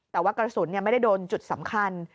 แต่ว่ากระสุนไม่ได้โดนจุดสำคัญ